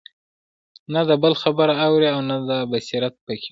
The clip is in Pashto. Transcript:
نه د بل خبره اوري او نه دا بصيرت په كي وي